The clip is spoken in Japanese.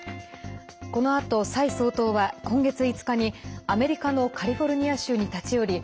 このあと、蔡総統は今月５日にアメリカのカリフォルニア州に立ち寄り